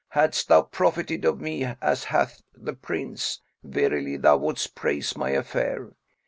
Hadst thou profited of me as hath the Prince, verily thou wouldst praise my affair.